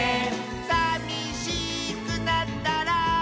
「さみしくなったら」